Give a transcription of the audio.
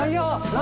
何？